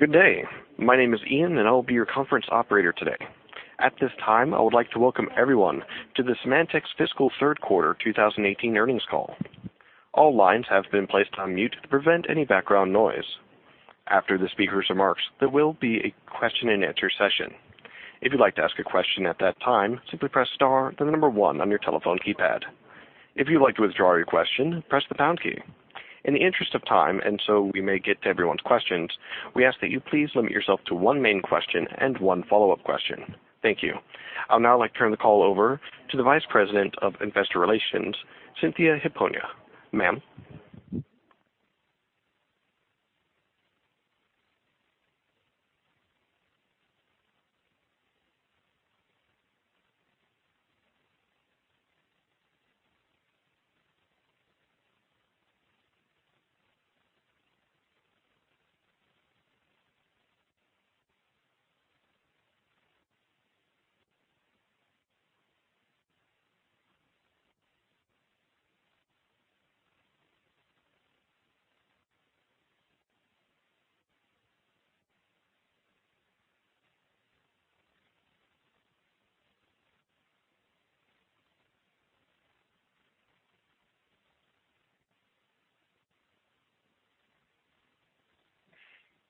Good day. My name is Ian, and I'll be your conference operator today. At this time, I would like to welcome everyone to Symantec's fiscal third quarter 2018 earnings call. All lines have been placed on mute to prevent any background noise. After the speaker's remarks, there will be a question and answer session. If you'd like to ask a question at that time, simply press star then the number 1 on your telephone keypad. If you'd like to withdraw your question, press the pound key. In the interest of time, and so we may get to everyone's questions, we ask that you please limit yourself to one main question and one follow-up question. Thank you. I'll now like to turn the call over to the Vice President of Investor Relations, Cynthia Hiponia. Ma'am?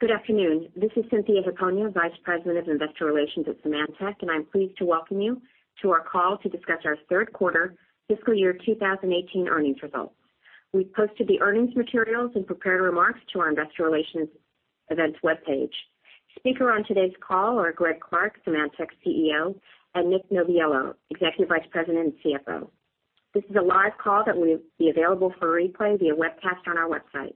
Good afternoon. This is Cynthia Hiponia, Vice President of Investor Relations at Symantec, and I'm pleased to welcome you to our call to discuss our third quarter fiscal year 2018 earnings results. We've posted the earnings materials and prepared remarks to our investor relations events webpage. Speaker on today's call are Greg Clark, Symantec's CEO, and Nick Noviello, Executive Vice President and CFO. This is a live call that will be available for replay via webcast on our website.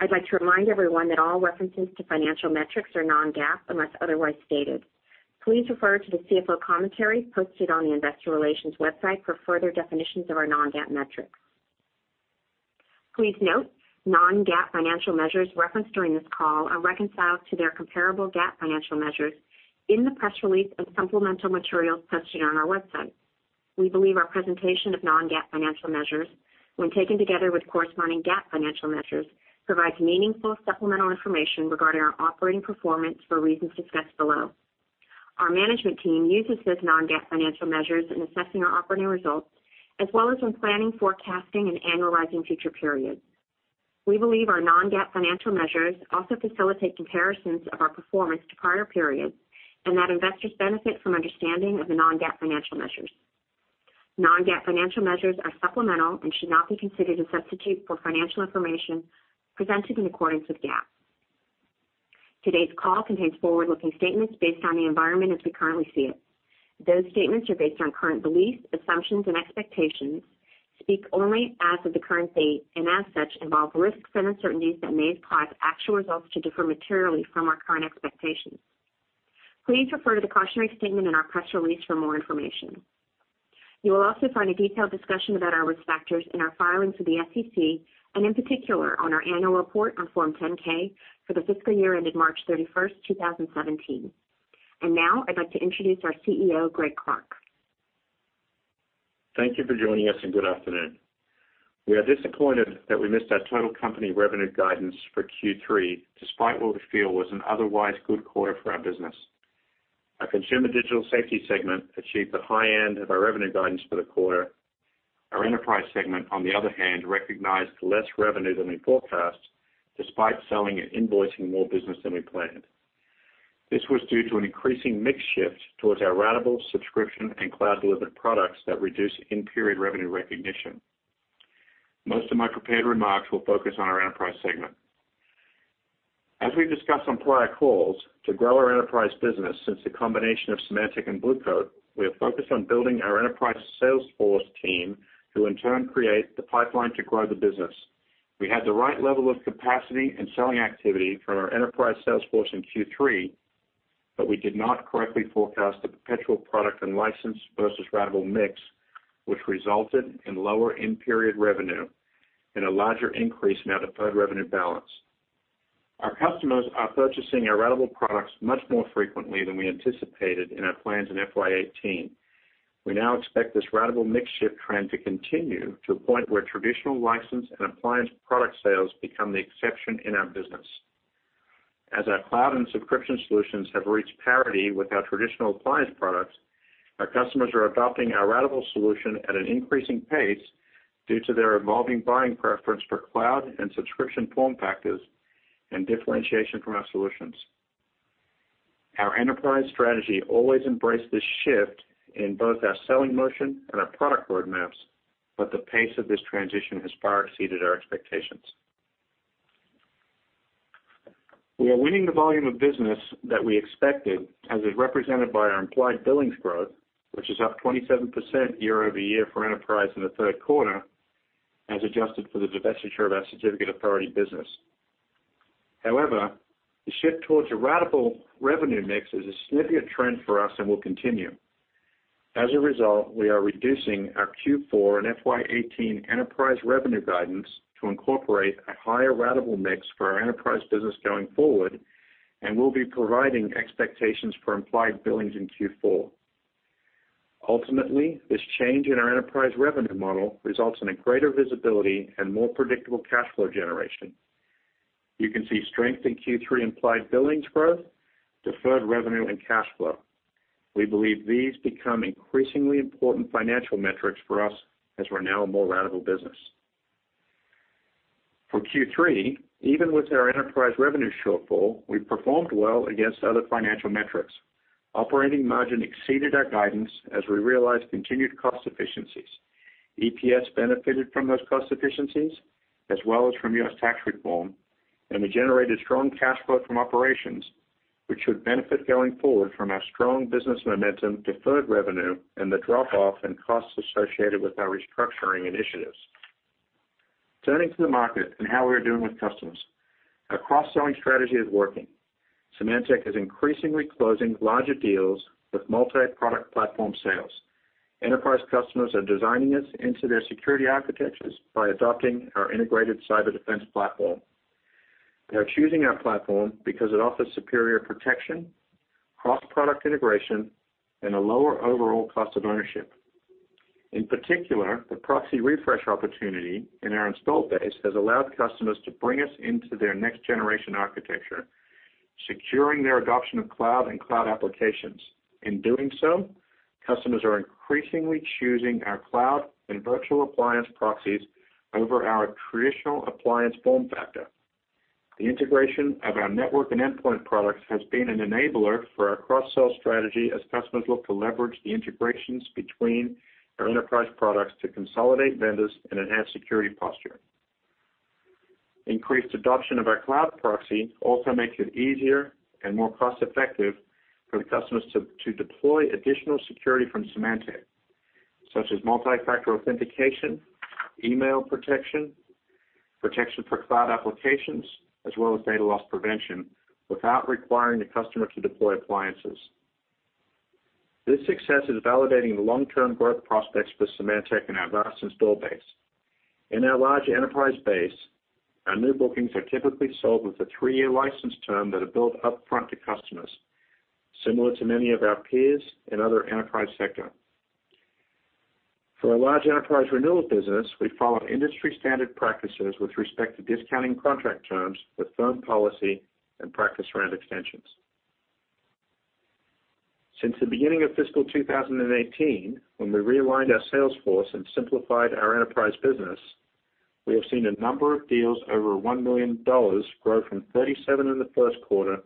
I'd like to remind everyone that all references to financial metrics are non-GAAP, unless otherwise stated. Please refer to the CFO commentary posted on the investor relations website for further definitions of our non-GAAP metrics. Please note, non-GAAP financial measures referenced during this call are reconciled to their comparable GAAP financial measures in the press release of supplemental materials posted on our website. We believe our presentation of non-GAAP financial measures, when taken together with corresponding GAAP financial measures, provides meaningful supplemental information regarding our operating performance for reasons discussed below. Our management team uses those non-GAAP financial measures in assessing our operating results, as well as when planning, forecasting, and analyzing future periods. We believe our non-GAAP financial measures also facilitate comparisons of our performance to prior periods, and that investors benefit from understanding of the non-GAAP financial measures. Non-GAAP financial measures are supplemental and should not be considered a substitute for financial information presented in accordance with GAAP. Today's call contains forward-looking statements based on the environment as we currently see it. Those statements are based on current beliefs, assumptions, and expectations, speak only as of the current date, and as such, involve risks and uncertainties that may cause actual results to differ materially from our current expectations. Please refer to the cautionary statement in our press release for more information. You will also find a detailed discussion about our risk factors in our filings with the SEC, and in particular, on our annual report on Form 10-K for the fiscal year ended March 31st, 2017. Now I'd like to introduce our CEO, Greg Clark. Thank you for joining us, and good afternoon. We are disappointed that we missed our total company revenue guidance for Q3, despite what we feel was an otherwise good quarter for our business. Our Consumer Digital Safety segment achieved the high end of our revenue guidance for the quarter. Our Enterprise segment, on the other hand, recognized less revenue than we forecast, despite selling and invoicing more business than we planned. This was due to an increasing mix shift towards our ratable subscription and cloud-delivered products that reduce in-period revenue recognition. Most of my prepared remarks will focus on our Enterprise segment. As we've discussed on prior calls, to grow our Enterprise business since the combination of Symantec and Blue Coat, we are focused on building our Enterprise sales force team, who in turn create the pipeline to grow the business. We had the right level of capacity and selling activity from our Enterprise sales force in Q3, but we did not correctly forecast the perpetual product and license versus ratable mix, which resulted in lower in-period revenue and a larger increase in our deferred revenue balance. Our customers are purchasing our ratable products much more frequently than we anticipated in our plans in FY 2018. We now expect this ratable mix shift trend to continue to a point where traditional license and appliance product sales become the exception in our business. As our cloud and subscription solutions have reached parity with our traditional appliance products, our customers are adopting our ratable solution at an increasing pace due to their evolving buying preference for cloud and subscription form factors and differentiation from our solutions. Our Enterprise strategy always embraced this shift in both our selling motion and our product roadmaps, but the pace of this transition has far exceeded our expectations. We are winning the volume of business that we expected, as is represented by our implied billings growth, which is up 27% year-over-year for Enterprise in the third quarter, as adjusted for the divestiture of our certificate authority business. However, the shift towards a ratable revenue mix is a significant trend for us and will continue. As a result, we are reducing our Q4 and FY 2018 Enterprise revenue guidance to incorporate a higher ratable mix for our Enterprise business going forward, and we'll be providing expectations for implied billings in Q4. Ultimately, this change in our Enterprise revenue model results in a greater visibility and more predictable cash flow generation. You can see strength in Q3 implied billings growth, deferred revenue, and cash flow. We believe these become increasingly important financial metrics for us as we're now a more ratable business. For Q3, even with our Enterprise revenue shortfall, we performed well against other financial metrics. Operating margin exceeded our guidance as we realized continued cost efficiencies. EPS benefited from those cost efficiencies as well as from U.S. tax reform. We generated strong cash flow from operations, which should benefit going forward from our strong business momentum, deferred revenue, and the drop-off in costs associated with our restructuring initiatives. Turning to the market and how we are doing with customers. Our cross-selling strategy is working. Symantec is increasingly closing larger deals with multi-product platform sales. Enterprise customers are designing us into their security architectures by adopting our Integrated Cyber Defense Platform. They are choosing our platform because it offers superior protection, cross-product integration, and a lower overall cost of ownership. In particular, the proxy refresh opportunity in our installed base has allowed customers to bring us into their next-generation architecture, securing their adoption of cloud and cloud applications. In doing so, customers are increasingly choosing our cloud and virtual appliance proxies over our traditional appliance form factor. The integration of our network and endpoint products has been an enabler for our cross-sell strategy as customers look to leverage the integrations between our enterprise products to consolidate vendors and enhance security posture. Increased adoption of our cloud proxy also makes it easier and more cost-effective for the customers to deploy additional security from Symantec, such as multi-factor authentication, email protection for cloud applications, as well as data loss prevention, without requiring the customer to deploy appliances. This success is validating the long-term growth prospects for Symantec and our vast install base. In our large enterprise base, our new bookings are typically sold with a 3-year license term that are billed upfront to customers, similar to many of our peers in other enterprise sectors. For our large enterprise renewal business, we follow industry standard practices with respect to discounting contract terms with firm policy and practice around extensions. Since the beginning of fiscal 2018, when we realigned our sales force and simplified our enterprise business, we have seen a number of deals over $1 million grow from 37 in the first quarter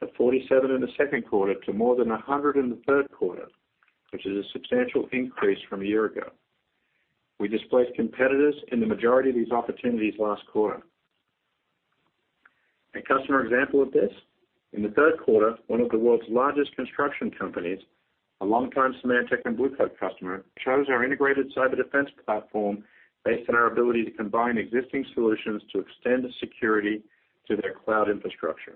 to 47 in the second quarter to more than 100 in the third quarter, which is a substantial increase from a year ago. We displaced competitors in the majority of these opportunities last quarter. A customer example of this, in the third quarter, one of the world's largest construction companies, a long time Symantec and Blue Coat customer, chose our Integrated Cyber Defense Platform based on our ability to combine existing solutions to extend the security to their cloud infrastructure.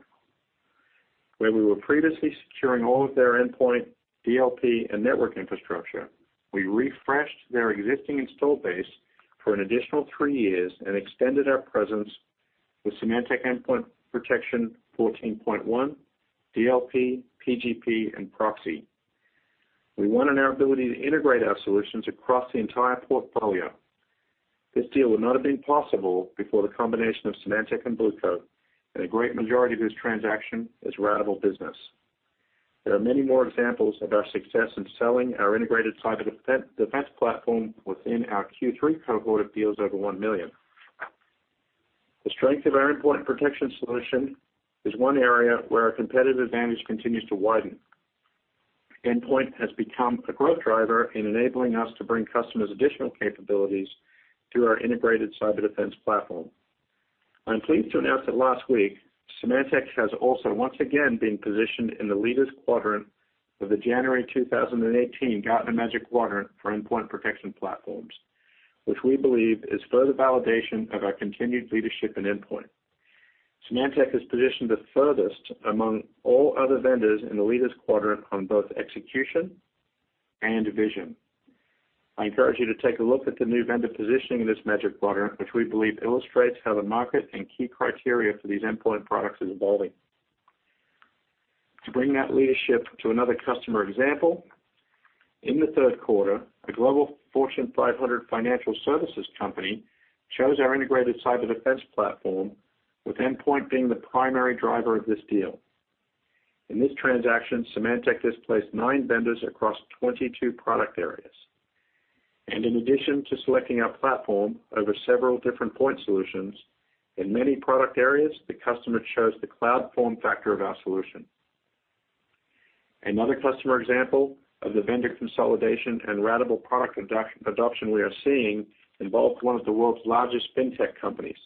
Where we were previously securing all of their endpoint, DLP, and network infrastructure, we refreshed their existing install base for an additional 3 years and extended our presence with Symantec Endpoint Protection 14.1, DLP, PGP, and proxy. We won on our ability to integrate our solutions across the entire portfolio. This deal would not have been possible before the combination of Symantec and Blue Coat, and a great majority of this transaction is ratable business. There are many more examples of our success in selling our Integrated Cyber Defense Platform within our Q3 cohort of deals over $1 million. The strength of our endpoint protection solution is one area where our competitive advantage continues to widen. Endpoint has become a growth driver in enabling us to bring customers additional capabilities through our Integrated Cyber Defense Platform. I'm pleased to announce that last week, Symantec has also once again been positioned in the Leaders Quadrant of the January 2018 Gartner Magic Quadrant for Endpoint Protection Platforms, which we believe is further validation of our continued leadership in endpoint. Symantec is positioned the furthest among all other vendors in the Leaders Quadrant on both execution and vision. I encourage you to take a look at the new vendor positioning in this Magic Quadrant, which we believe illustrates how the market and key criteria for these endpoint products is evolving. To bring that leadership to another customer example, in the third quarter, a global Fortune 500 financial services company chose our Integrated Cyber Defense Platform with endpoint being the primary driver of this deal. In this transaction, Symantec displaced nine vendors across 22 product areas. In addition to selecting our platform over several different point solutions, in many product areas, the customer chose the cloud form factor of our solution. Another customer example of the vendor consolidation and ratable product adoption we are seeing involved one of the world's largest fintech companies.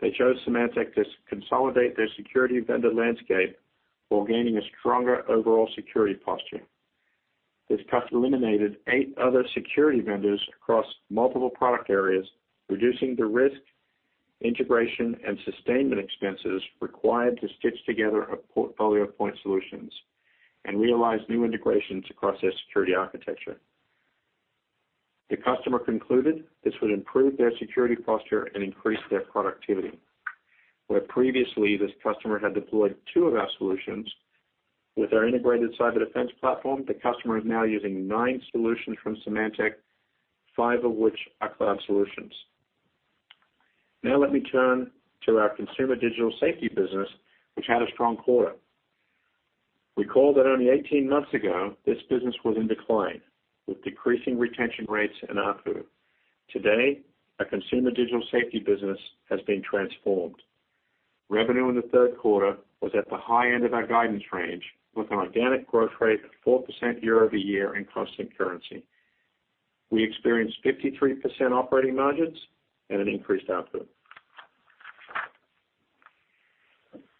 They chose Symantec to consolidate their security vendor landscape while gaining a stronger overall security posture. This customer eliminated eight other security vendors across multiple product areas, reducing the risk, integration, and sustainment expenses required to stitch together a portfolio of point solutions and realize new integrations across their security architecture. The customer concluded this would improve their security posture and increase their productivity. Where previously this customer had deployed two of our solutions, with our Integrated Cyber Defense Platform, the customer is now using nine solutions from Symantec, five of which are cloud solutions. Now let me turn to our Consumer Digital Safety business, which had a strong quarter. Recall that only 18 months ago, this business was in decline, with decreasing retention rates and ARPU. Today, our Consumer Digital Safety business has been transformed. Revenue in the third quarter was at the high end of our guidance range, with an organic growth rate of 4% year-over-year in constant currency. We experienced 53% operating margins and an increased ARPU.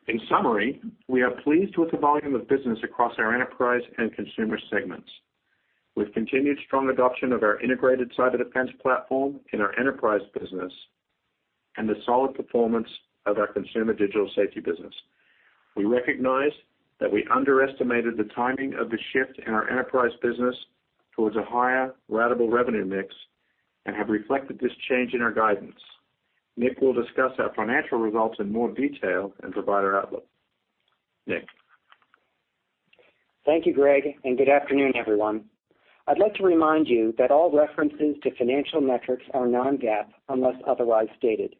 In summary, we are pleased with the volume of business across our Enterprise and Consumer segments. We've continued strong adoption of our Integrated Cyber Defense Platform in our Enterprise business and the solid performance of our Consumer Digital Safety business. We recognize that we underestimated the timing of the shift in our Enterprise business towards a higher ratable revenue mix and have reflected this change in our guidance. Nick will discuss our financial results in more detail and provide our outlook. Nick. Thank you, Greg, and good afternoon, everyone. I'd like to remind you that all references to financial metrics are non-GAAP unless otherwise stated.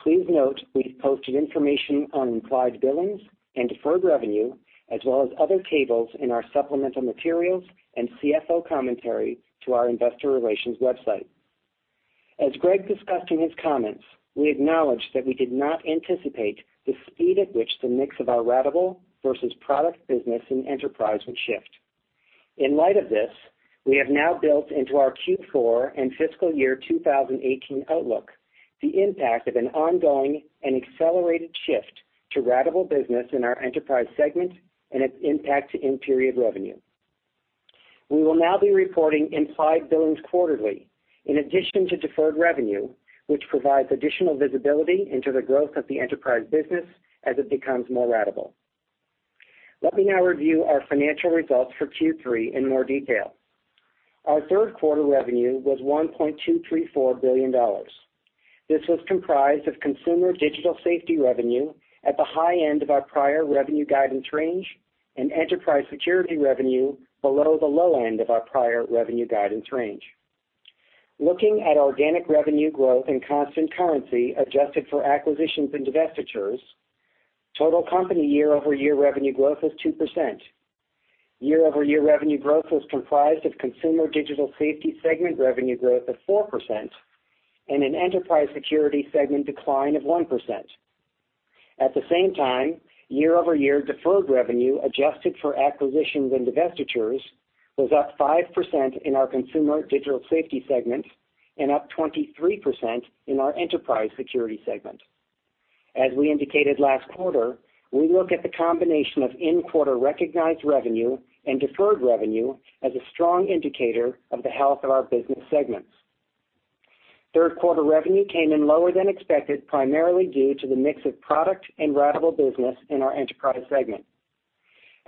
Please note we've posted information on implied billings and deferred revenue, as well as other tables in our supplemental materials and CFO commentary to our investor relations website. As Greg discussed in his comments, we acknowledge that we did not anticipate the speed at which the mix of our ratable versus product business and enterprise would shift. In light of this, we have now built into our Q4 and fiscal year 2018 outlook the impact of an ongoing and accelerated shift to ratable business in our enterprise segment and its impact to in-period revenue. We will now be reporting implied billings quarterly, in addition to deferred revenue, which provides additional visibility into the growth of the enterprise business as it becomes more ratable. Let me now review our financial results for Q3 in more detail. Our third quarter revenue was $1.234 billion. This was comprised of Consumer Digital Safety revenue at the high end of our prior revenue guidance range and Enterprise Security revenue below the low end of our prior revenue guidance range. Looking at organic revenue growth in constant currency adjusted for acquisitions and divestitures, total company year-over-year revenue growth was 2%. Year-over-year revenue growth was comprised of Consumer Digital Safety segment revenue growth of 4% and an Enterprise Security segment decline of 1%. At the same time, year-over-year deferred revenue adjusted for acquisitions and divestitures was up 5% in our Consumer Digital Safety segment and up 23% in our Enterprise Security segment. As we indicated last quarter, we look at the combination of in-quarter recognized revenue and deferred revenue as a strong indicator of the health of our business segments. Third quarter revenue came in lower than expected, primarily due to the mix of product and ratable business in our enterprise segment.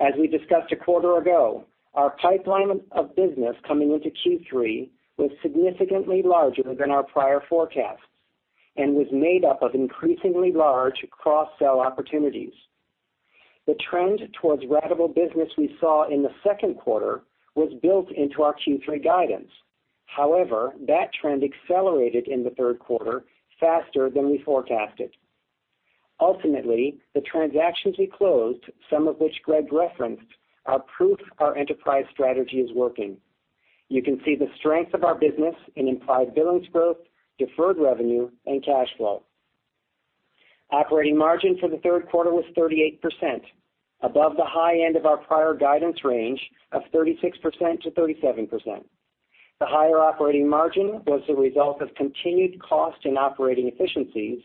As we discussed a quarter ago, our pipeline of business coming into Q3 was significantly larger than our prior forecasts and was made up of increasingly large cross-sell opportunities. The trend towards ratable business we saw in the second quarter was built into our Q3 guidance. However, that trend accelerated in the third quarter faster than we forecasted. Ultimately, the transactions we closed, some of which Greg referenced, are proof our enterprise strategy is working. You can see the strength of our business in implied billings growth, deferred revenue, and cash flow. Operating margin for the third quarter was 38%, above the high end of our prior guidance range of 36%-37%. The higher operating margin was the result of continued cost and operating efficiencies,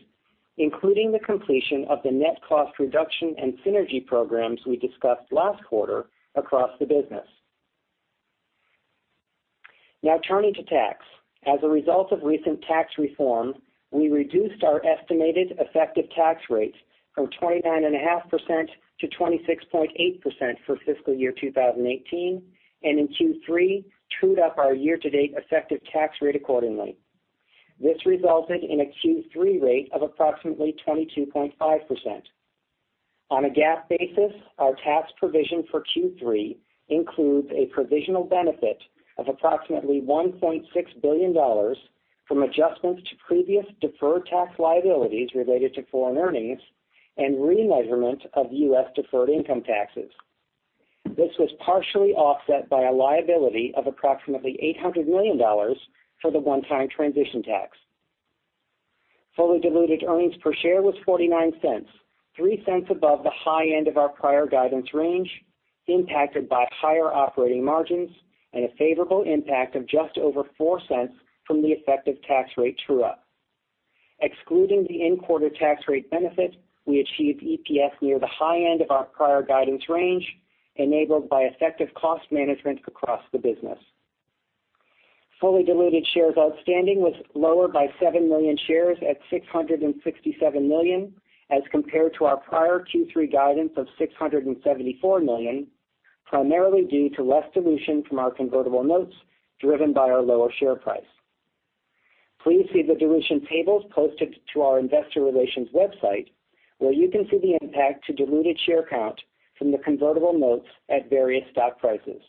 including the completion of the net cost reduction and synergy programs we discussed last quarter across the business. Now turning to tax. As a result of recent tax reform, we reduced our estimated effective tax rates from 29.5% to 26.8% for fiscal year 2018, and in Q3, trued up our year-to-date effective tax rate accordingly. This resulted in a Q3 rate of approximately 22.5%. On a GAAP basis, our tax provision for Q3 includes a provisional benefit of approximately $1.6 billion from adjustments to previous deferred tax liabilities related to foreign earnings and remeasurement of U.S. deferred income taxes. This was partially offset by a liability of approximately $800 million for the one-time transition tax. Fully diluted earnings per share was $0.49, $0.03 above the high end of our prior guidance range, impacted by higher operating margins and a favorable impact of just over $0.04 from the effective tax rate true-up. Excluding the in-quarter tax rate benefit, we achieved EPS near the high end of our prior guidance range, enabled by effective cost management across the business. Fully diluted shares outstanding was lower by 7 million shares at 667 million, as compared to our prior Q3 guidance of 674 million, primarily due to less dilution from our convertible notes driven by our lower share price. Please see the dilution tables posted to our investor relations website, where you can see the impact to diluted share count from the convertible notes at various stock prices.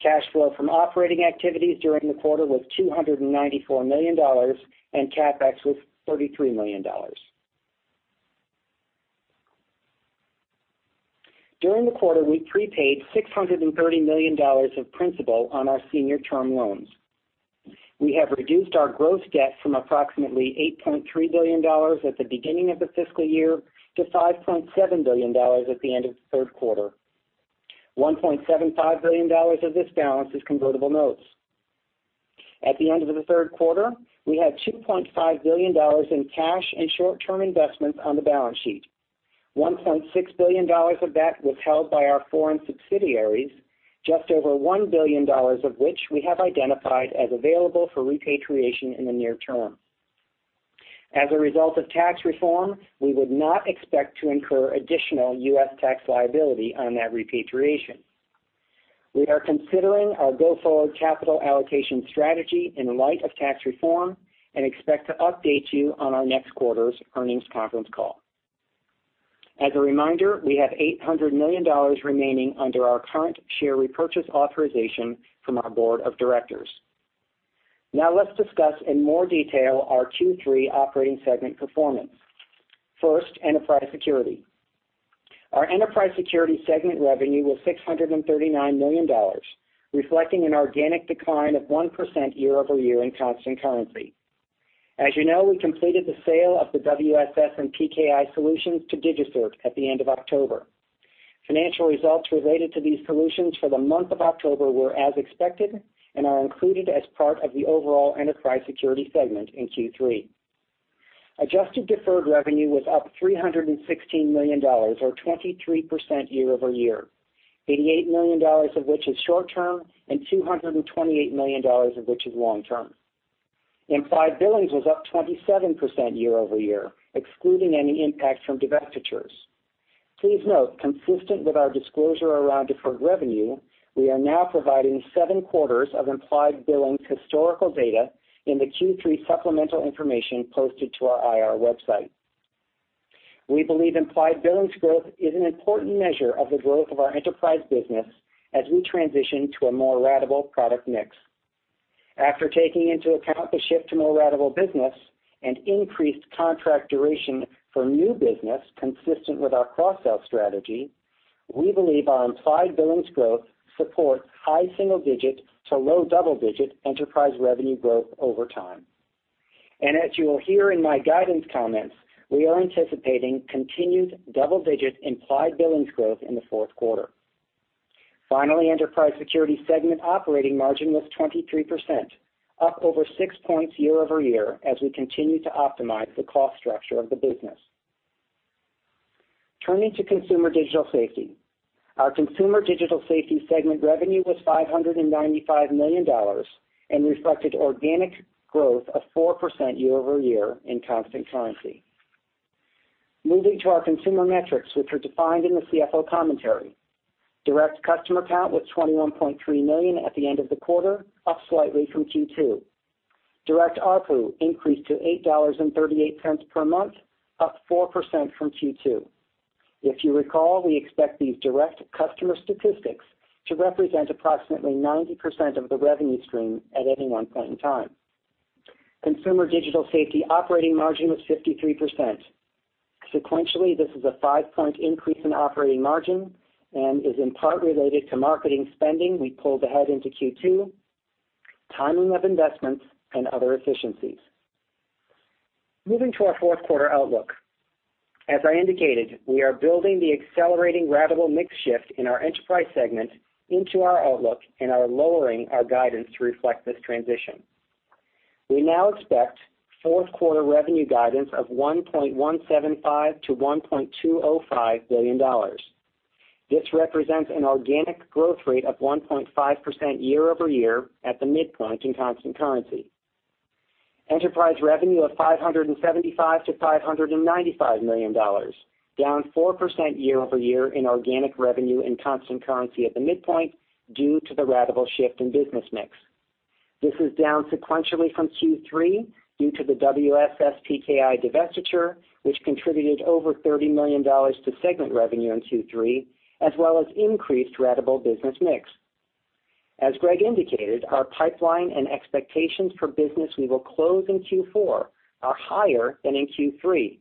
Cash flow from operating activities during the quarter was $294 million, and CapEx was $33 million. During the quarter, we prepaid $630 million of principal on our senior term loans. We have reduced our gross debt from approximately $8.3 billion at the beginning of the fiscal year to $5.7 billion at the end of the third quarter. $1.75 billion of this balance is convertible notes. At the end of the third quarter, we had $2.5 billion in cash and short-term investments on the balance sheet. $1.6 billion of that was held by our foreign subsidiaries, just over $1 billion of which we have identified as available for repatriation in the near term. As a result of tax reform, we would not expect to incur additional U.S. tax liability on that repatriation. We are considering our go-forward capital allocation strategy in light of tax reform and expect to update you on our next quarter's earnings conference call. As a reminder, we have $800 million remaining under our current share repurchase authorization from our board of directors. Now let's discuss in more detail our Q3 operating segment performance. First, Enterprise Security. Our Enterprise Security segment revenue was $639 million, reflecting an organic decline of 1% year-over-year in constant currency. As you know, we completed the sale of the WSS and PKI solutions to DigiCert at the end of October. Financial results related to these solutions for the month of October were as expected and are included as part of the overall Enterprise Security segment in Q3. Adjusted deferred revenue was up $316 million or 23% year-over-year, $88 million of which is short-term and $228 million of which is long-term. Implied billings was up 27% year-over-year, excluding any impact from divestitures. Please note, consistent with our disclosure around deferred revenue, we are now providing seven quarters of implied billings historical data in the Q3 supplemental information posted to our IR website. We believe implied billings growth is an important measure of the growth of our enterprise business as we transition to a more ratable product mix. After taking into account the shift to more ratable business and increased contract duration for new business consistent with our cross-sell strategy, we believe our implied billings growth support high single-digit to low double-digit Enterprise Security revenue growth over time. As you will hear in my guidance comments, we are anticipating continued double-digit implied billings growth in the fourth quarter. Finally, Enterprise Security segment operating margin was 23%, up over six points year-over-year as we continue to optimize the cost structure of the business. Turning to Consumer Digital Safety. Our Consumer Digital Safety segment revenue was $595 million and reflected organic growth of 4% year-over-year in constant currency. Moving to our consumer metrics, which are defined in the CFO commentary. Direct customer count was 21.3 million at the end of the quarter, up slightly from Q2. Direct ARPU increased to $8.38 per month, up 4% from Q2. If you recall, we expect these direct customer statistics to represent approximately 90% of the revenue stream at any one point in time. Consumer Digital Safety operating margin was 53%. Sequentially, this is a five-point increase in operating margin and is in part related to marketing spending we pulled ahead into Q2, timing of investments, and other efficiencies. Moving to our fourth quarter outlook. As I indicated, we are building the accelerating ratable mix shift in our Enterprise segment into our outlook and are lowering our guidance to reflect this transition. We now expect fourth quarter revenue guidance of $1.175 billion-$1.205 billion. This represents an organic growth rate of 1.5% year-over-year at the midpoint in constant currency. Enterprise revenue of $575 million-$595 million, down 4% year-over-year in organic revenue in constant currency at the midpoint due to the ratable shift in business mix. This is down sequentially from Q3 due to the WSS/PKI divestiture, which contributed over $30 million to segment revenue in Q3, as well as increased ratable business mix. As Greg indicated, our pipeline and expectations for business we will close in Q4 are higher than in Q3,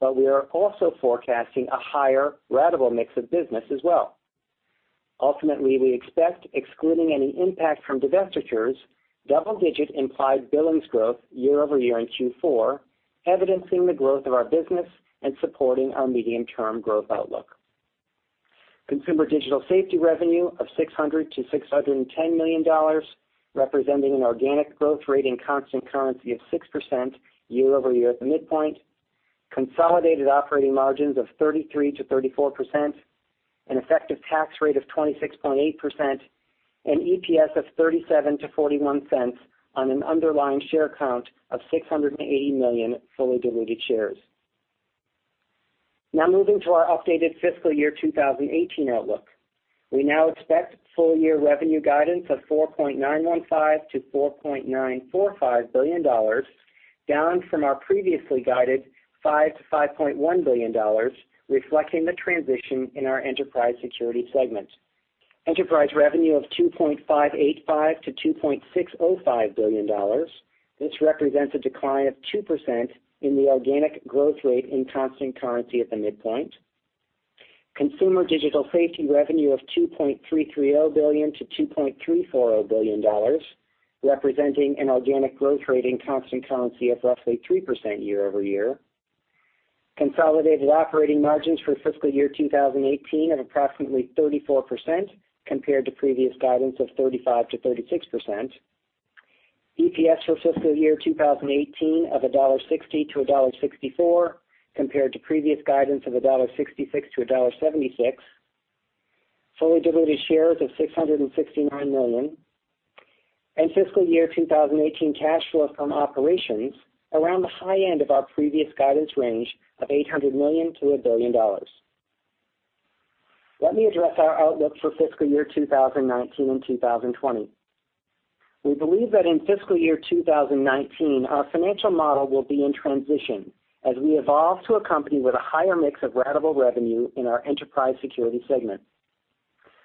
but we are also forecasting a higher ratable mix of business as well. Ultimately, we expect, excluding any impact from divestitures, double-digit implied billings growth year-over-year in Q4, evidencing the growth of our business and supporting our medium-term growth outlook. Consumer Digital Safety revenue of $600 million-$610 million, representing an organic growth rate in constant currency of 6% year-over-year at the midpoint, consolidated operating margins of 33%-34%, an effective tax rate of 26.8%. EPS of $0.37-$0.41 on an underlying share count of 680 million fully diluted shares. Now moving to our updated fiscal year 2018 outlook. We now expect full year revenue guidance of $4.915 billion-$4.945 billion, down from our previously guided $5 billion-$5.1 billion, reflecting the transition in our Enterprise Security segment. Enterprise revenue of $2.585 billion-$2.605 billion. This represents a decline of 2% in the organic growth rate in constant currency at the midpoint. Consumer Digital Safety revenue of $2.330 billion-$2.340 billion, representing an organic growth rate in constant currency of roughly 3% year-over-year. Consolidated operating margins for fiscal year 2018 of approximately 34%, compared to previous guidance of 35%-36%. EPS for fiscal year 2018 of $1.60-$1.64, compared to previous guidance of $1.66-$1.76. Fully diluted shares of 669 million. Fiscal year 2018 cash flow from operations around the high end of our previous guidance range of $800 million-$1 billion. Let me address our outlook for fiscal year 2019 and 2020. We believe that in fiscal year 2019, our financial model will be in transition as we evolve to a company with a higher mix of ratable revenue in our Enterprise Security segment.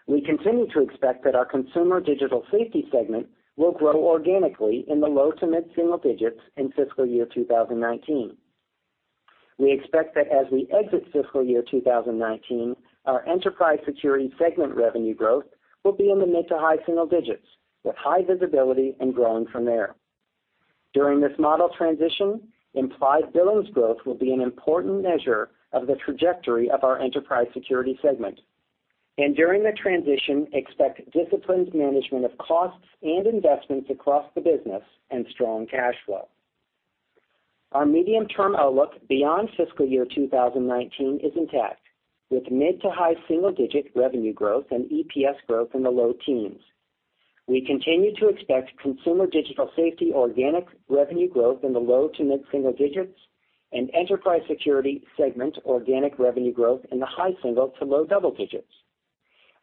We continue to expect that our Consumer Digital Safety segment will grow organically in the low to mid-single digits in fiscal year 2019. We expect that as we exit fiscal year 2019, our Enterprise Security segment revenue growth will be in the mid to high single digits with high visibility and growing from there. During this model transition, implied billings growth will be an important measure of the trajectory of our Enterprise Security segment. During the transition, expect disciplined management of costs and investments across the business and strong cash flow. Our medium-term outlook beyond fiscal year 2019 is intact, with mid to high single-digit revenue growth and EPS growth in the low teens. We continue to expect Consumer Digital Safety organic revenue growth in the low to mid-single digits and Enterprise Security segment organic revenue growth in the high single to low double digits.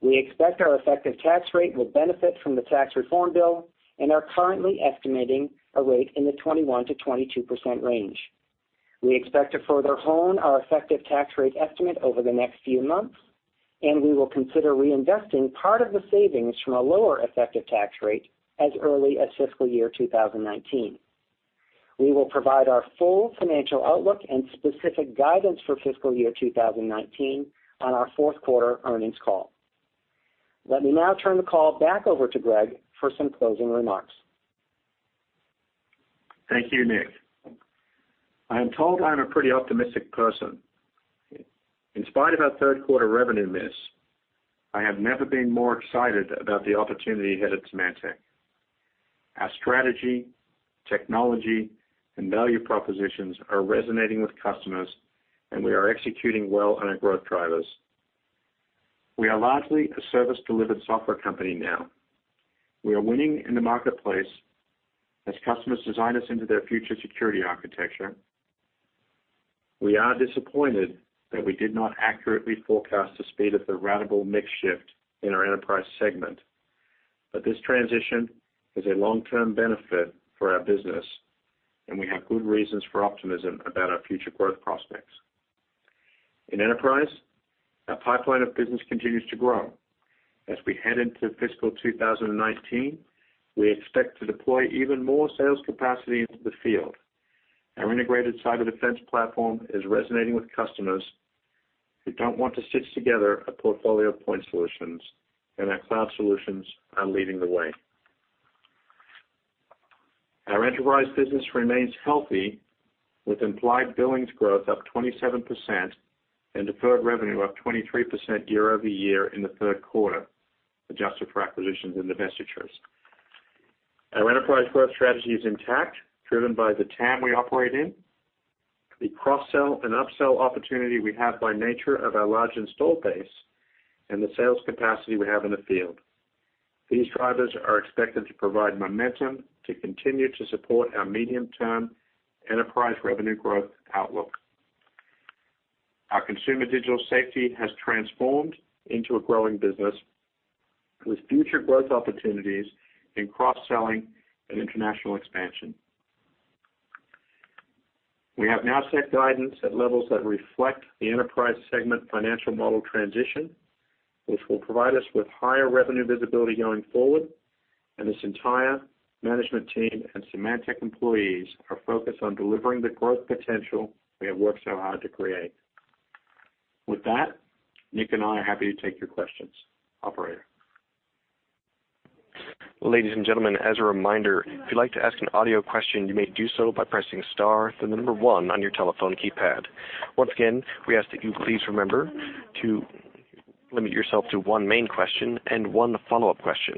We expect our effective tax rate will benefit from the tax reform bill and are currently estimating a rate in the 21%-22% range. We expect to further hone our effective tax rate estimate over the next few months, and we will consider reinvesting part of the savings from a lower effective tax rate as early as fiscal year 2019. We will provide our full financial outlook and specific guidance for fiscal year 2019 on our fourth quarter earnings call. Let me now turn the call back over to Greg for some closing remarks. Thank you, Nick. I am told I'm a pretty optimistic person. In spite of our third quarter revenue miss, I have never been more excited about the opportunity ahead of Symantec. Our strategy, technology, and value propositions are resonating with customers, and we are executing well on our growth drivers. We are largely a service-delivered software company now. We are winning in the marketplace as customers design us into their future security architecture. We are disappointed that we did not accurately forecast the speed of the ratable mix shift in our Enterprise segment. This transition is a long-term benefit for our business, and we have good reasons for optimism about our future growth prospects. In Enterprise, our pipeline of business continues to grow. As we head into fiscal 2019, we expect to deploy even more sales capacity into the field. Our Integrated Cyber Defense Platform is resonating with customers who don't want to stitch together a portfolio of point solutions, and our cloud solutions are leading the way. Our Enterprise business remains healthy, with implied billings growth up 27% and deferred revenue up 23% year-over-year in the third quarter, adjusted for acquisitions and divestitures. Our Enterprise growth strategy is intact, driven by the TAM we operate in, the cross-sell and up-sell opportunity we have by nature of our large install base, and the sales capacity we have in the field. These drivers are expected to provide momentum to continue to support our medium-term Enterprise revenue growth outlook. Our Consumer Digital Safety has transformed into a growing business with future growth opportunities in cross-selling and international expansion. We have now set guidance at levels that reflect the enterprise segment financial model transition, which will provide us with higher revenue visibility going forward, and this entire management team and Symantec employees are focused on delivering the growth potential we have worked so hard to create. With that, Nick and I are happy to take your questions. Operator? Ladies and gentlemen, as a reminder, if you'd like to ask an audio question, you may do so by pressing star, then the number one on your telephone keypad. Once again, we ask that you please remember to limit yourself to one main question and one follow-up question.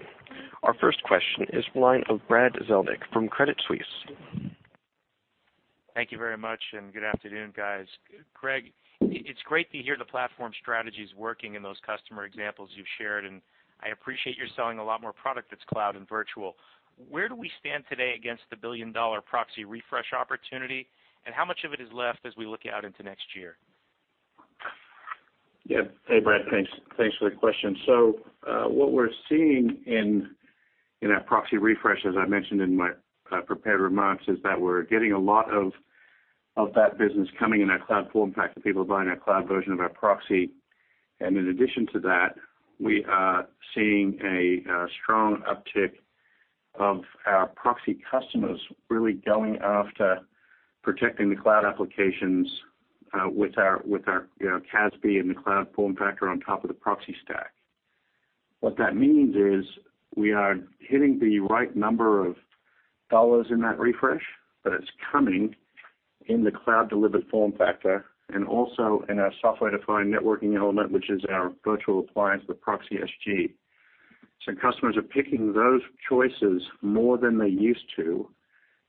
Our first question is the line of Brad Zelnick from Credit Suisse. Thank you very much, good afternoon, guys. Greg, it's great to hear the platform strategy's working in those customer examples you've shared, and I appreciate you're selling a lot more product that's cloud and virtual. Where do we stand today against the billion-dollar proxy refresh opportunity, and how much of it is left as we look out into next year? Yeah. Hey, Brad. Thanks for the question. What we're seeing in that proxy refresh, as I mentioned in my prepared remarks, is that we're getting a lot of that business coming in our cloud form factor, people buying our cloud version of our proxy. In addition to that, we are seeing a strong uptick of our proxy customers really going after protecting the cloud applications, with our CASB and the cloud form factor on top of the proxy stack. What that means is we are hitting the right number of dollars in that refresh, but it's coming in the cloud-delivered form factor and also in our software-defined networking element, which is our virtual appliance, the ProxySG. Customers are picking those choices more than they used to,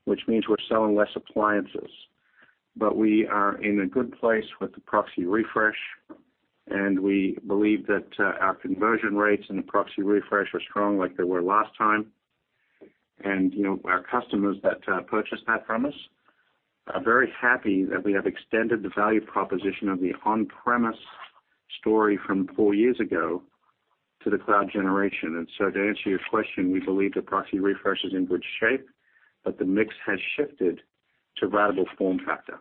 which means we're selling less appliances. We are in a good place with the proxy refresh, and we believe that our conversion rates in the proxy refresh are strong like they were last time. Our customers that purchase that from us are very happy that we have extended the value proposition of the on-premise story from four years ago to the cloud generation. To answer your question, we believe the proxy refresh is in good shape, but the mix has shifted to ratable form factor.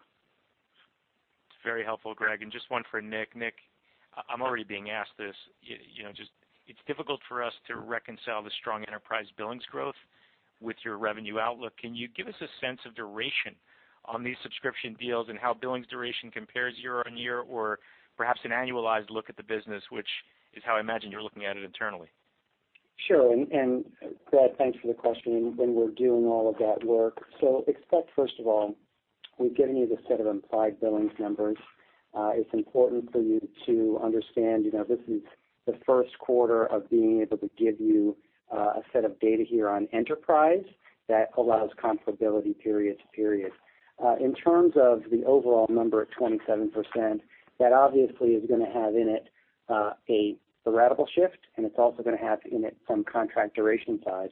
That's very helpful, Greg. Just one for Nick. Nick, I'm already being asked this. It's difficult for us to reconcile the strong enterprise billings growth with your revenue outlook. Can you give us a sense of duration on these subscription deals and how billings duration compares year-over-year, or perhaps an annualized look at the business, which is how I imagine you're looking at it internally? Sure. Brad, thanks for the question, and we're doing all of that work. Expect, first of all, we've given you the set of implied billings numbers. It's important for you to understand, this is the first quarter of being able to give you a set of data here on enterprise that allows comparability period to period. In terms of the overall number of 27%, that obviously is going to have in it a ratable shift, and it's also going to have in it some contract duration side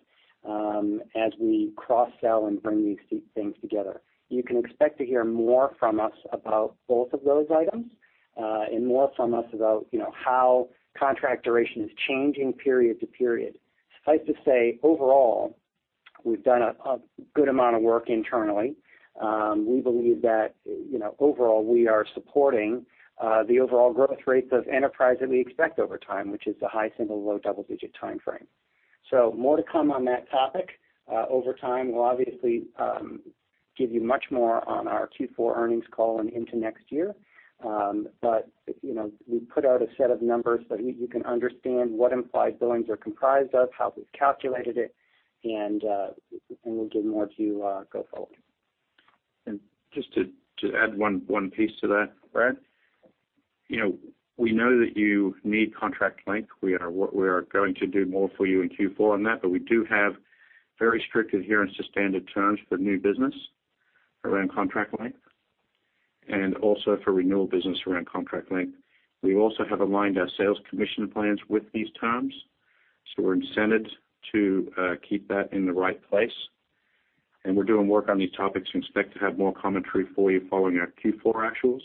as we cross-sell and bring these things together. You can expect to hear more from us about both of those items, and more from us about how contract duration is changing period to period. Suffice to say, overall, we've done a good amount of work internally. We believe that overall, we are supporting the overall growth rates of enterprise that we expect over time, which is the high single, low double-digit timeframe. More to come on that topic. Over time, we'll obviously give you much more on our Q4 earnings call and into next year. We put out a set of numbers so you can understand what implied billings are comprised of, how we've calculated it, and we'll give more to you go forward. Just to add one piece to that, Brad. We know that you need contract length. We are going to do more for you in Q4 on that. We do have very strict adherence to standard terms for new business around contract length, and also for renewal business around contract length. We also have aligned our sales commission plans with these terms, so we're incented to keep that in the right place. We're doing work on these topics. We expect to have more commentary for you following our Q4 actuals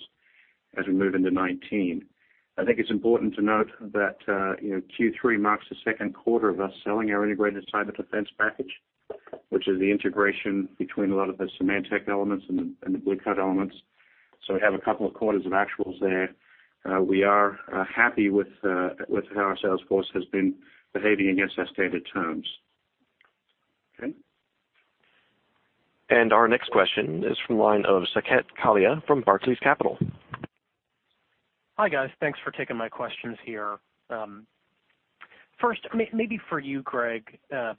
as we move into 2019. I think it's important to note that Q3 marks the second quarter of us selling our Integrated Cyber Defense Platform, which is the integration between a lot of the Symantec elements and the Blue Coat elements. We have a couple of quarters of actuals there. We are happy with how our sales force has been behaving against our standard terms. Okay. Our next question is from the line of Saket Kalia from Barclays Capital. Hi, guys. Thanks for taking my questions here. First, maybe for you, Greg. I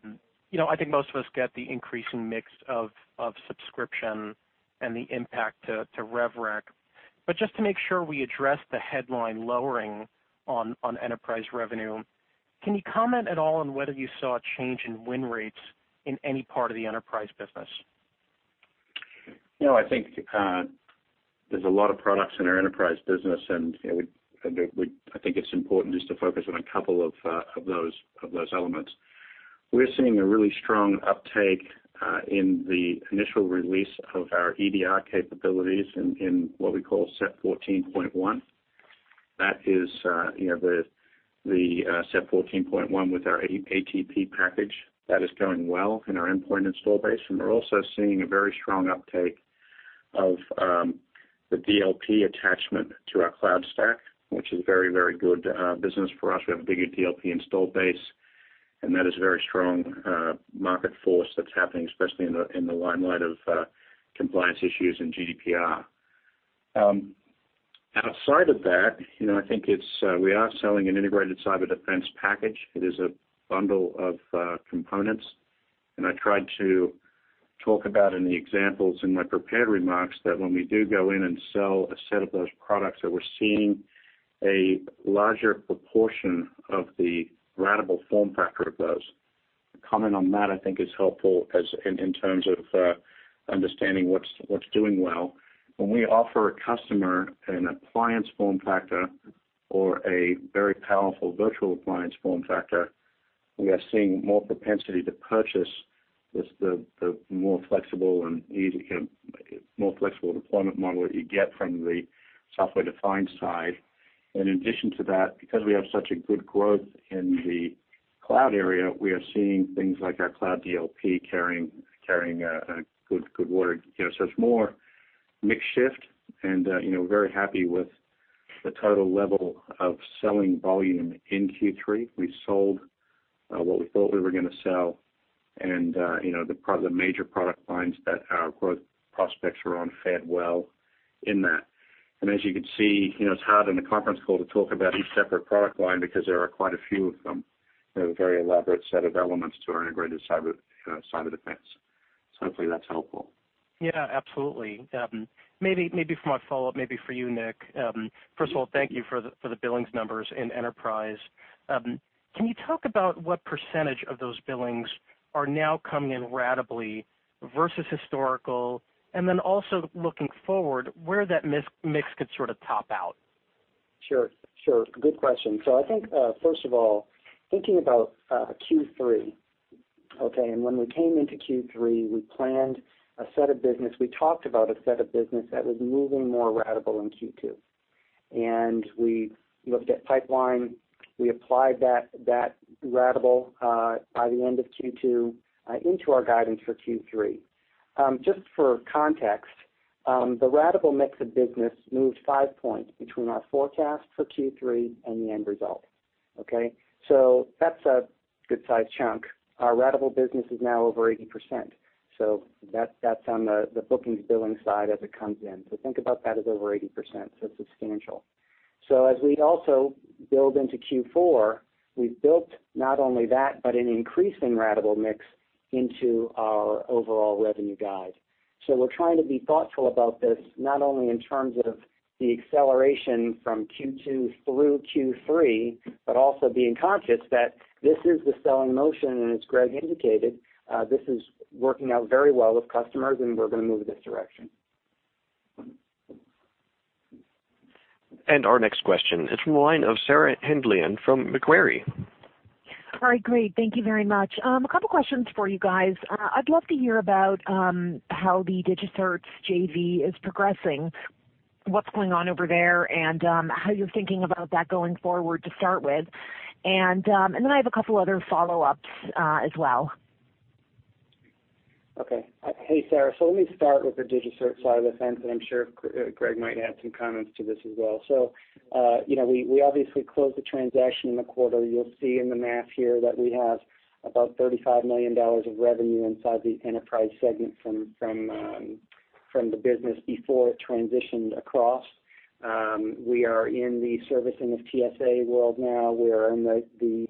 think most of us get the increasing mix of subscription and the impact to rev rec. Just to make sure we address the headline lowering on enterprise revenue, can you comment at all on whether you saw a change in win rates in any part of the enterprise business? I think there's a lot of products in our enterprise business, and I think it's important just to focus on a couple of those elements. We're seeing a really strong uptake in the initial release of our EDR capabilities in what we call SEP 14.1. That is the SEP 14.1 with our ATP package. That is going well in our endpoint install base, and we're also seeing a very strong uptake of the DLP attachment to our cloud stack, which is very, very good business for us. We have a bigger DLP install base, and that is a very strong market force that's happening, especially in the limelight of compliance issues and GDPR. Outside of that, we are selling an Integrated Cyber Defense package. It is a bundle of components. I tried to talk about in the examples in my prepared remarks that when we do go in and sell a set of those products, that we're seeing a larger proportion of the ratable form factor of those. Comment on that, I think, is helpful in terms of understanding what's doing well. When we offer a customer an appliance form factor or a very powerful virtual appliance form factor, we are seeing more propensity to purchase the more flexible deployment model that you get from the software-defined side. In addition to that, because we have such a good growth in the cloud area, we are seeing things like our cloud DLP carrying a good order. It's more mix shift and we're very happy with the total level of selling volume in Q3. We sold what we thought we were going to sell and the major product lines that our growth prospects were on fared well in that. As you can see, it's hard in the conference call to talk about each separate product line because there are quite a few of them. We have a very elaborate set of elements to our Integrated Cyber Defense. Hopefully that's helpful. Yeah, absolutely. Maybe for my follow-up, maybe for you, Nick. First of all, thank you for the billings numbers in enterprise. Can you talk about what % of those billings are now coming in ratably versus historical? Also looking forward, where that mix could sort of top out? Sure. Good question. I think, first of all, thinking about Q3, okay, when we came into Q3, we planned a set of business, we talked about a set of business that was moving more ratable in Q2. We looked at pipeline, we applied that ratable by the end of Q2 into our guidance for Q3. Just for context, the ratable mix of business moved 5 points between our forecast for Q3 and the end result, okay? That's a good-sized chunk. Our ratable business is now over 80%, that's on the bookings billing side as it comes in. Think about that as over 80%, it's substantial. As we also build into Q4, we've built not only that, but an increasing ratable mix into our overall revenue guide. We're trying to be thoughtful about this, not only in terms of the acceleration from Q2 through Q3, but also being conscious that this is the selling motion, and as Greg indicated, this is working out very well with customers, and we're going to move this direction. Our next question is from the line of Sarah Hindlian from Macquarie. All right, great. Thank you very much. A couple questions for you guys. I'd love to hear about how the DigiCert JV is progressing, what's going on over there, and how you're thinking about that going forward to start with. I have a couple other follow-ups as well. Okay. Hey, Sarah. Let me start with the DigiCert side of the fence, and I'm sure Greg might add some comments to this as well. We obviously closed the transaction in the quarter. You'll see in the math here that we have about $35 million of revenue inside the Enterprise Security segment from the business before it transitioned across. We are in the servicing of TSA world now. We are in the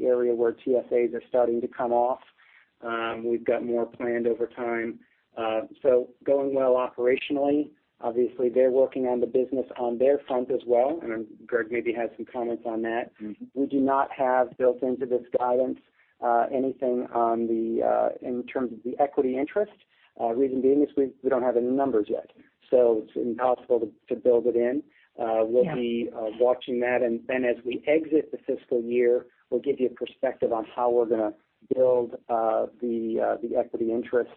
area where TSAs are starting to come off. We've got more planned over time. Going well operationally. Obviously, they're working on the business on their front as well, and Greg maybe has some comments on that. We do not have built into this guidance anything in terms of the equity interest. Reason being is we don't have any numbers yet, so it's impossible to build it in. Yeah. We'll be watching that, and then as we exit the fiscal year, we'll give you a perspective on how we're going to build the equity interest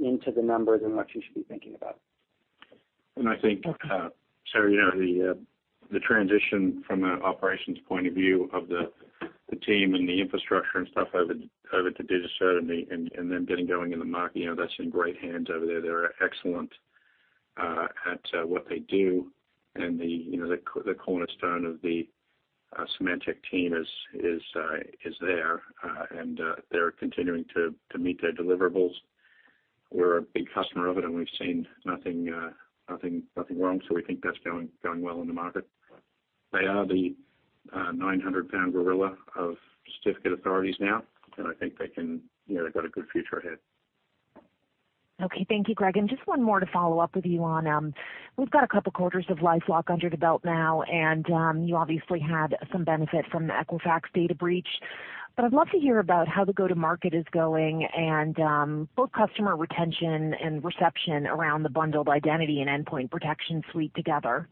into the numbers and what you should be thinking about. I think, Sarah, the transition from an operations point of view of the team and the infrastructure and stuff over to DigiCert and them getting going in the market, that's in great hands over there. They're excellent at what they do, and the cornerstone of the Symantec team is there, and they're continuing to meet their deliverables. We're a big customer of it and we've seen nothing wrong, so we think that's going well in the market. They are the 900-pound gorilla of certificate authorities now, and I think they've got a good future ahead. Okay. Thank you, Greg. Just one more to follow up with you on. We've got a couple quarters of LifeLock under the belt now, and you obviously had some benefit from the Equifax data breach. I'd love to hear about how the go-to-market is going and both customer retention and reception around the bundled identity and endpoint protection suite together.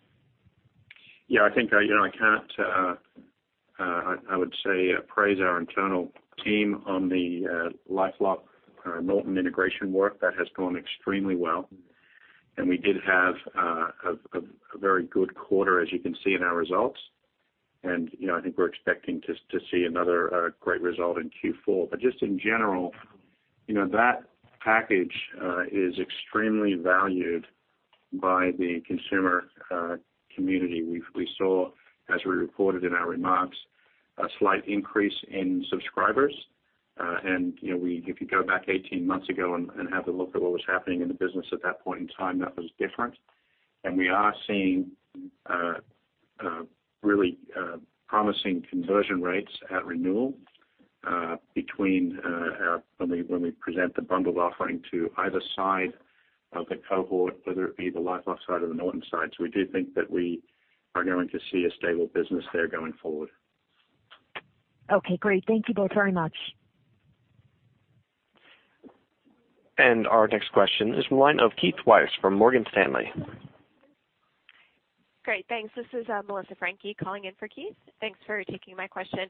I think I can't, I would say, praise our internal team on the LifeLock Norton integration work. That has gone extremely well, we did have a very good quarter, as you can see in our results. I think we're expecting to see another great result in Q4. Just in general, that package is extremely valued by the consumer community. We saw, as we reported in our remarks, a slight increase in subscribers. If you go back 18 months ago and have a look at what was happening in the business at that point in time, that was different. We are seeing really promising conversion rates at renewal between when we present the bundled offering to either side of the cohort, whether it be the LifeLock side or the Norton side. We do think that we are going to see a stable business there going forward. Okay, great. Thank you both very much. Our next question is the line of Keith Weiss from Morgan Stanley. Great. Thanks. This is Melissa Franchi calling in for Keith. Thanks for taking my question.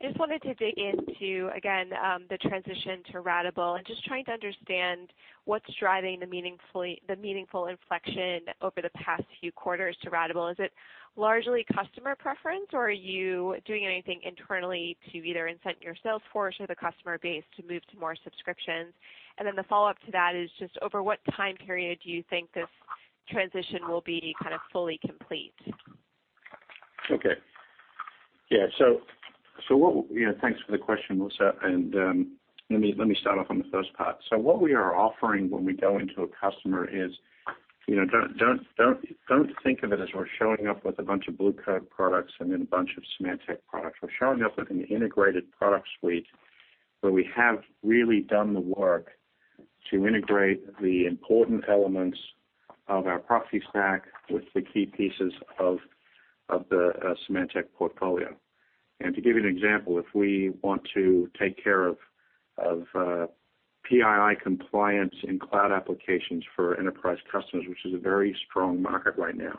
I just wanted to dig into, again, the transition to ratable and just trying to understand what's driving the meaningful inflection over the past few quarters to ratable. Is it largely customer preference, or are you doing anything internally to either incent your sales force or the customer base to move to more subscriptions? The follow-up to that is just over what time period do you think this transition will be kind of fully complete? Okay. Yeah. Thanks for the question, Melissa, let me start off on the first part. What we are offering when we go into a customer is, don't think of it as we're showing up with a bunch of Blue Coat products and then a bunch of Symantec products. We're showing up with an integrated product suite where we have really done the work to integrate the important elements of our proxy stack with the key pieces of the Symantec portfolio. To give you an example, if we want to take care of PII compliance in cloud applications for enterprise customers, which is a very strong market right now,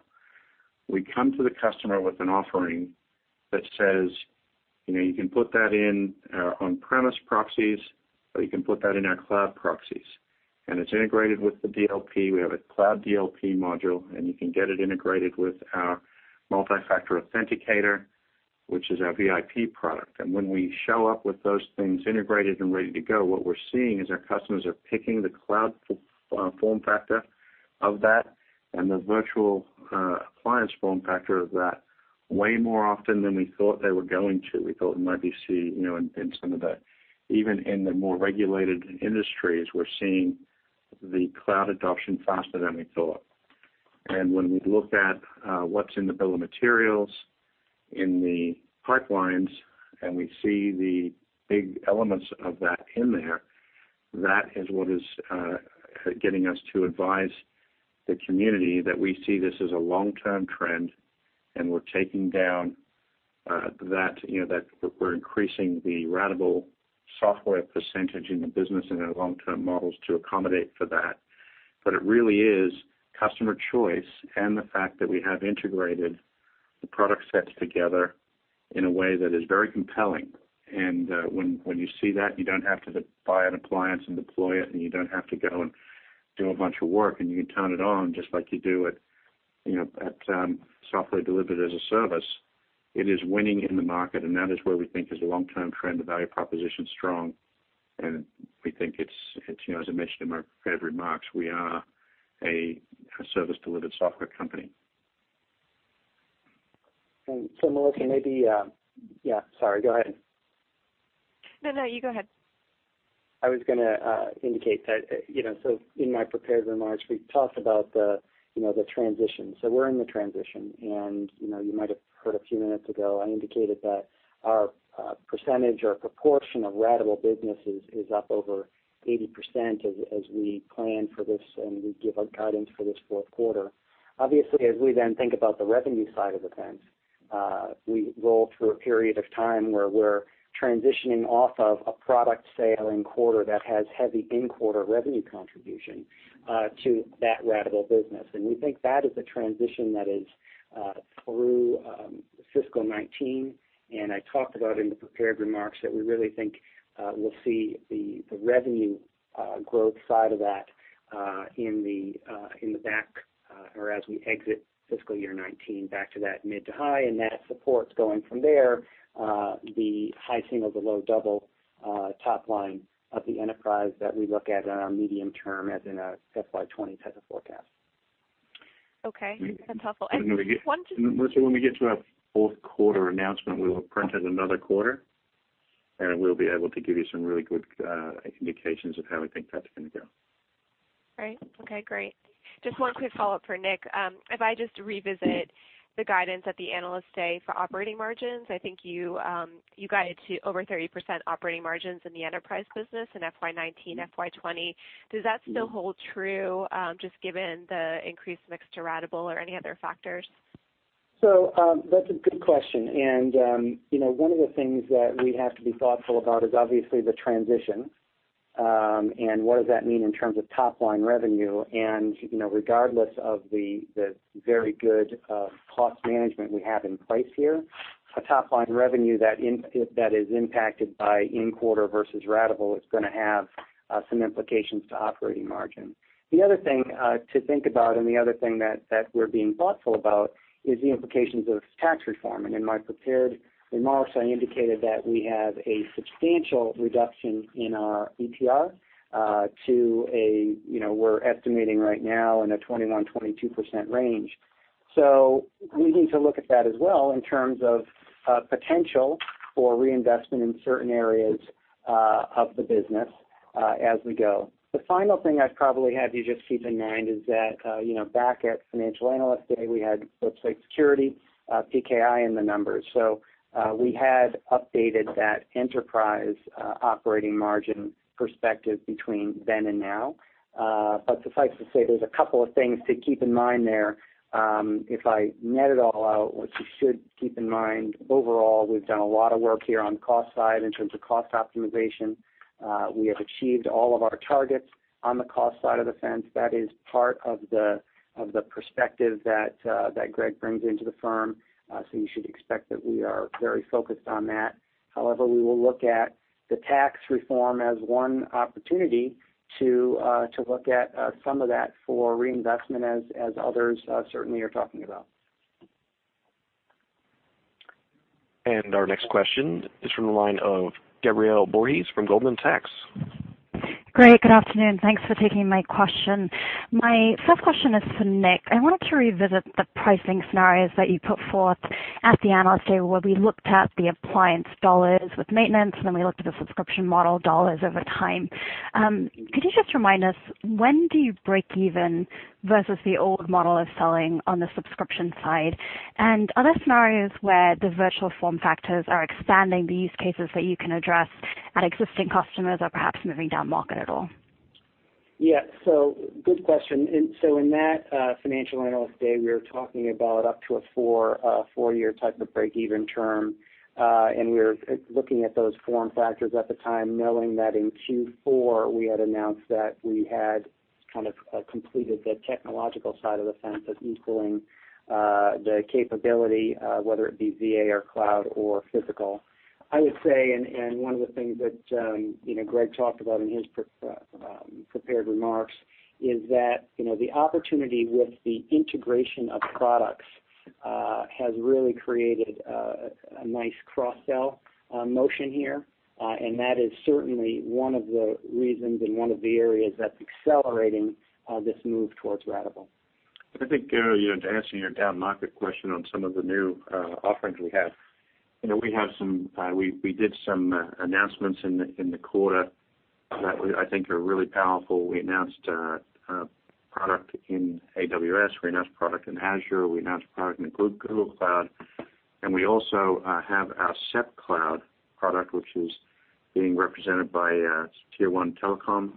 we come to the customer with an offering that says, you can put that in our on-premise proxies, or you can put that in our cloud proxies. It's integrated with the DLP. We have a cloud DLP module, you can get it integrated with our multi-factor authenticator, which is our VIP product. When we show up with those things integrated and ready to go, what we're seeing is our customers are picking the cloud form factor of that and the virtual appliance form factor of that way more often than we thought they were going to. We thought we might be seeing even in the more regulated industries, we're seeing the cloud adoption faster than we thought. When we've looked at what's in the bill of materials, in the pipelines, and we see the big elements of that in there, that is what is getting us to advise the community that we see this as a long-term trend, and we're taking down that we're increasing the ratable software percentage in the business and our long-term models to accommodate for that. It really is customer choice and the fact that we have integrated the product sets together in a way that is very compelling. When you see that, you don't have to buy an appliance and deploy it, and you don't have to go and do a bunch of work, and you can turn it on just like you do at software delivered as a service. It is winning in the market, and that is where we think is a long-term trend. The value proposition is strong, and we think it's, as I mentioned in my prepared remarks, we are a service delivered software company. Melissa, Go ahead. No, you go ahead. I was going to indicate that, so in my prepared remarks, we talked about the transition. We're in the transition. You might have heard a few minutes ago, I indicated that our percentage or proportion of ratable businesses is up over 80% as we plan for this and we give our guidance for this fourth quarter. Obviously, as we then think about the revenue side of the fence, we roll through a period of time where we're transitioning off of a product sale in quarter that has heavy in-quarter revenue contribution to that ratable business. We think that is a transition that is through fiscal 2019, and I talked about in the prepared remarks that we really think we'll see the revenue growth side of that in the back, or as we exit fiscal year 2019, back to that mid to high, and that supports, going from there, the high single to low double top line of the enterprise that we look at on our medium term as in a FY 2020 type of forecast. Okay. That's helpful. Melissa, when we get to our fourth-quarter announcement, we will print out another quarter, and we'll be able to give you some really good indications of how we think that's going to go. Great. Okay, great. Just one quick follow-up for Nick. If I just revisit the guidance at the Analyst Day for operating margins, I think you guided to over 30% operating margins in the enterprise business in FY 2019, FY 2020. Does that still hold true, just given the increased mix to ratable or any other factors? That's a good question, one of the things that we have to be thoughtful about is obviously the transition, what does that mean in terms of top-line revenue? Regardless of the very good cost management we have in place here, a top-line revenue that is impacted by in-quarter versus ratable is going to have some implications to operating margin. The other thing to think about and the other thing that we're being thoughtful about is the implications of tax reform. In my prepared remarks, I indicated that we have a substantial reduction in our ETR to a we're estimating right now in a 21%-22% range. We need to look at that as well in terms of potential for reinvestment in certain areas of the business as we go. The final thing I'd probably have you just keep in mind is that back at financial analyst day, we had website security, PKI in the numbers. We had updated that enterprise operating margin perspective between then and now. Suffice to say, there's a couple of things to keep in mind there. If I net it all out, what you should keep in mind, overall, we've done a lot of work here on cost side in terms of cost optimization. We have achieved all of our targets on the cost side of the fence. That is part of the perspective that Greg brings into the firm. You should expect that we are very focused on that. However, we will look at the tax reform as one opportunity to look at some of that for reinvestment, as others certainly are talking about. Our next question is from the line of Gabriela Borges from Goldman Sachs. Greg, good afternoon. Thanks for taking my question. My first question is for Nick. I wanted to revisit the pricing scenarios that you put forth at the analyst day, where we looked at the appliance dollars with maintenance, then we looked at the subscription model dollars over time. Could you just remind us, when do you break even versus the old model of selling on the subscription side? Are there scenarios where the virtual form factors are expanding the use cases that you can address at existing customers or perhaps moving down market at all? Yeah. Good question. In that financial analyst day, we were talking about up to a 4-year type of break-even term. We were looking at those form factors at the time, knowing that in Q4 we had announced that we had kind of completed the technological side of the fence of equaling the capability, whether it be VA or cloud or physical. I would say, one of the things that Greg talked about in his prepared remarks is that the opportunity with the integration of products has really created a nice cross-sell motion here. That is certainly one of the reasons and one of the areas that's accelerating this move towards ratable. I think, Gabriela, to answer your down market question on some of the new offerings we have. We did some announcements in the quarter that I think are really powerful. We announced a product in AWS, we announced a product in Azure, we announced a product in Google Cloud, and we also have our SEP Cloud product, which is being represented by Tier 1 telecom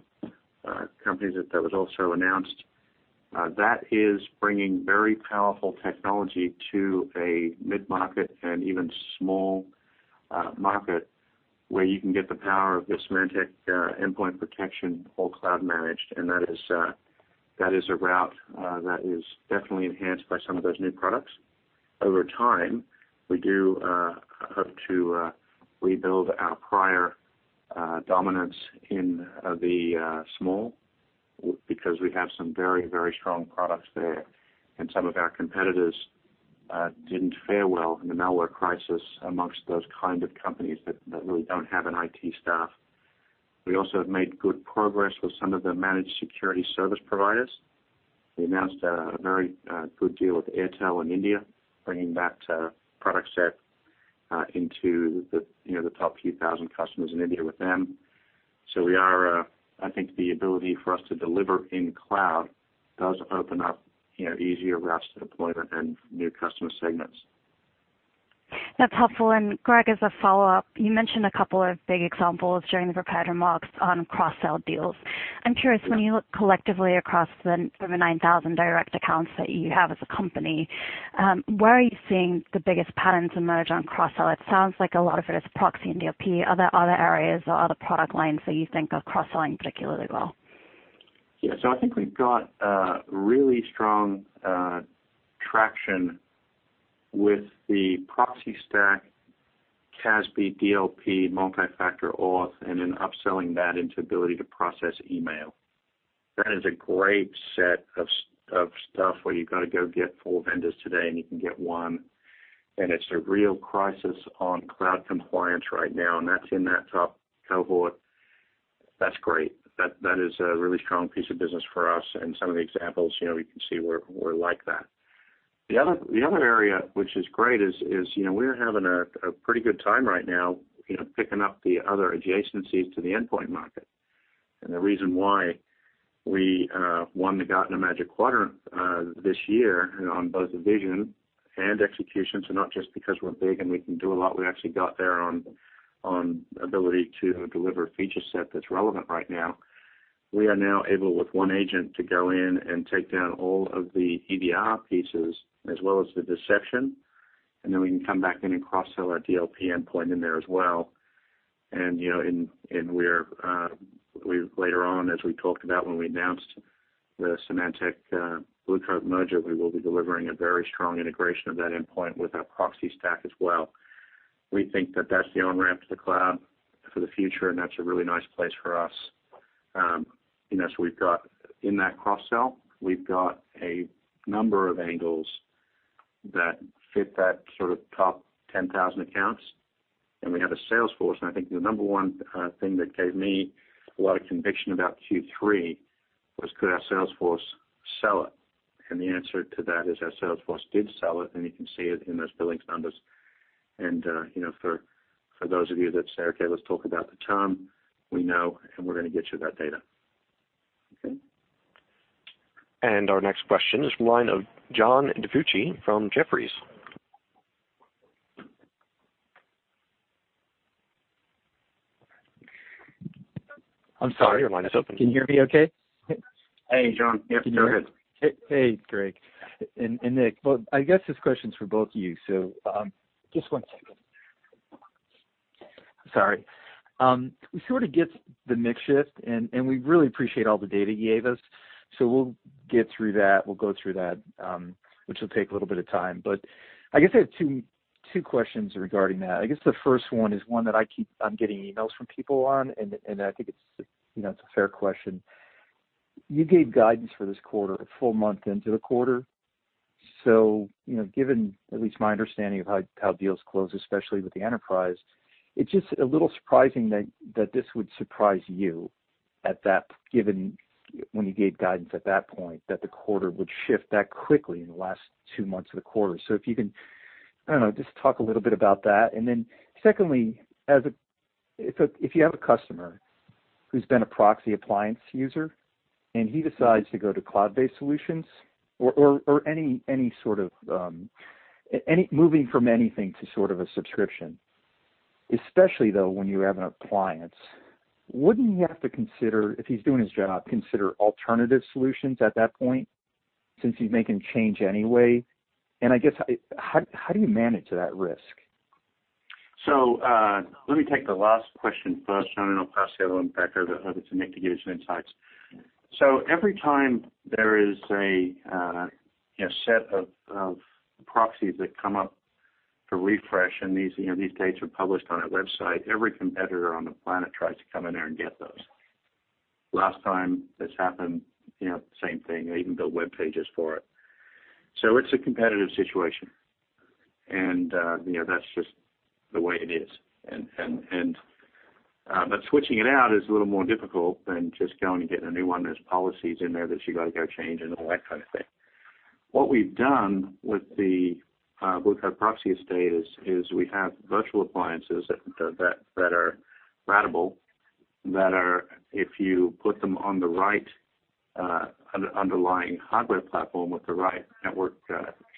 companies, that was also announced. That is bringing very powerful technology to a mid-market and even small market, where you can get the power of the Symantec Endpoint Protection, all cloud managed. That is a route that is definitely enhanced by some of those new products. Over time, we do hope to rebuild our prior dominance in the small because we have some very strong products there, and some of our competitors didn't fare well in the malware crisis amongst those kind of companies that really don't have an IT staff. We also have made good progress with some of the managed security service providers. We announced a very good deal with Airtel in India, bringing that product set into the top few thousand customers in India with them. I think the ability for us to deliver in cloud does open up easier routes to deployment and new customer segments. That's helpful. Greg, as a follow-up, you mentioned a couple of big examples during the prepared remarks on cross-sell deals. I'm curious, when you look collectively across the sort of 9,000 direct accounts that you have as a company, where are you seeing the biggest patterns emerge on cross-sell? It sounds like a lot of it is proxy and DLP. Are there other areas or other product lines that you think are cross-selling particularly well? Yeah. I think we've got really strong traction with the proxy stack, CASB, DLP, multi-factor auth, then upselling that into ability to process email. That is a great set of stuff where you've got to go get four vendors today, and you can get one. It's a real crisis on cloud compliance right now, and that's in that top cohort. That's great. That is a really strong piece of business for us. Some of the examples you can see were like that. The other area which is great is we're having a pretty good time right now picking up the other adjacencies to the endpoint market. The reason why we won the Gartner Magic Quadrant this year on both the vision and execution. Not just because we're big and we can do a lot, we actually got there on ability to deliver a feature set that's relevant right now. We are now able, with one agent, to go in and take down all of the EDR pieces as well as the deception, then we can come back in and cross-sell our DLP endpoint in there as well. Later on, as we talked about when we announced the Symantec Blue Coat merger, we will be delivering a very strong integration of that endpoint with our proxy stack as well. We think that that's the on-ramp to the cloud for the future, and that's a really nice place for us. We've got in that cross-sell, we've got a number of angles that fit that sort of top 10,000 accounts, and we have a sales force. I think the number one thing that gave me a lot of conviction about Q3 was could our sales force sell it? The answer to that is our sales force did sell it, and you can see it in those billings numbers. For those of you that say, "Okay, let's talk about the term," we know, and we're going to get you that data. Okay. Our next question is from the line of John DiFucci from Jefferies. I'm sorry, your line is open. Can you hear me okay? Hey, John. Yep, go ahead. Hey, Greg and Nick. I guess this question's for both of you, just one second. Sorry. We sort of get the mix shift, and we really appreciate all the data you gave us. We'll get through that, we'll go through that, which will take a little bit of time. I guess I have two questions regarding that. I guess the first one is one that I'm getting emails from people on, and I think it's a fair question. You gave guidance for this quarter a full month into the quarter. Given at least my understanding of how deals close, especially with the enterprise, it's just a little surprising that this would surprise you when you gave guidance at that point, that the quarter would shift that quickly in the last two months of the quarter. If you can, I don't know, just talk a little bit about that. Secondly, if you have a customer who's been a proxy appliance user and he decides to go to cloud-based solutions or moving from anything to sort of a subscription, especially though when you have an appliance, wouldn't he have to consider, if he's doing his job, consider alternative solutions at that point since he's making change anyway? I guess, how do you manage that risk? Let me take the last question first, John, and I'll pass the other one back over to Nick to give you some insights. Every time there is a set of proxies that come up for refresh, and these dates are published on our website, every competitor on the planet tries to come in there and get those. Last time this happened, same thing. They even built webpages for it. It's a competitive situation, and that's just the way it is. Switching it out is a little more difficult than just going and getting a new one. There's policies in there that you've got to go change and all that kind of thing. What we've done with the Blue Coat proxy estate is we have virtual appliances that are ratable, that are, if you put them on the right underlying hardware platform with the right network